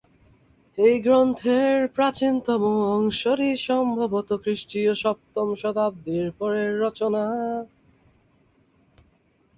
এই গ্রন্থের প্রাচীনতম অংশটি সম্ভবত খ্রিস্টীয় সপ্তম শতাব্দীর পরের রচনা।